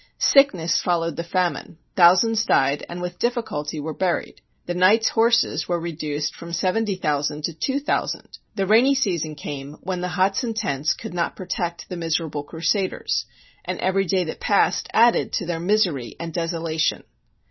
Sickness followed the famine; thousands died and with dif ficulty were buried; the knights' horses were re duced from seventy thousand to two thousand; the rainy season came, when the huts and tents could not protect the miserable Crusaders; and every day that passed added to their misery and desolation.